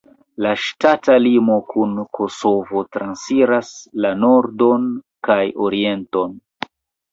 La ŝtata limo kun Kosovo transiras la nordon kaj orienton.